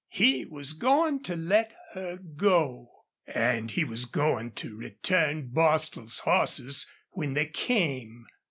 He was going to let her go, and he was going to return Bostil's horses when they came.